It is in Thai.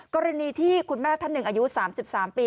กรณีที่คุณแม่ท่านหนึ่งอายุ๓๓ปี